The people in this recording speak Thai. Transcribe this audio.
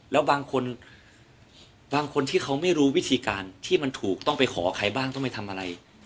แล้วบางคนบางคนที่เขาไม่รู้วิธีการที่มันถูกต้องไปขอใครบ้างต้องไปทำอะไร